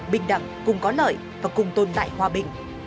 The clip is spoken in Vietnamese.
bình đẳng cùng có lợi và cùng tồn tại hòa bình